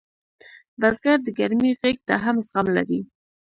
بزګر د ګرمۍ غېږ ته هم زغم لري